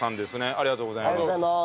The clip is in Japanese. ありがとうございます。